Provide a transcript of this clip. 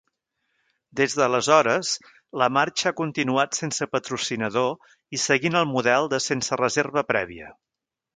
Des d'aleshores, la marxa ha continuat sense patrocinador i seguint el model de sense reserva prèvia.